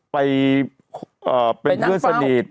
ไปเป็นเพื่อนสนิท